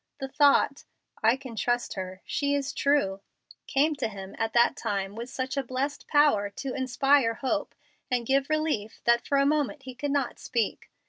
The thought, "I can trust her she is true," came to him at that time with such a blessed power to inspire hope and give relief that for a moment he could not speak.